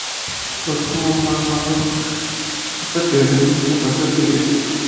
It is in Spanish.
Fue con Almagro, hasta que descendió y pasó a Tigre.